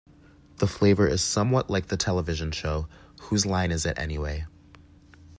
The flavor is somewhat like the television show "Whose Line Is It Anyway?